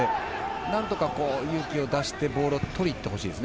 何とか勇気を出してボールを取りに行ってほしいです。